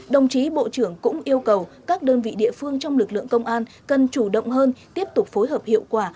đồng chí bộ trưởng cũng yêu cầu các đơn vị địa phương trong lực lượng công an cần chủ động hơn tiếp tục phối hợp hiệu quả